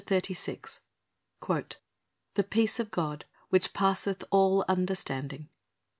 CHAPTER XXXVI "The peace of God, which passeth all understanding."